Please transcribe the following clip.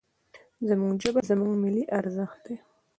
زموږ ژبه، زموږ ملي ارزښت دی.